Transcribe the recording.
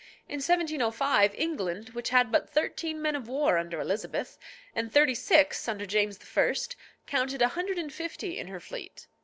In 1705, England which had had but thirteen men of war under Elizabeth, and thirty six under James I., counted a hundred and fifty in her fleet.